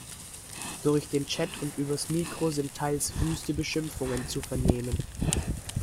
Durch den Chat und übers Mikro sind teils wüste Beschimpfungen zu vernehmen.